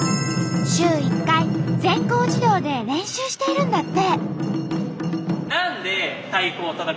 週１回全校児童で練習しているんだって。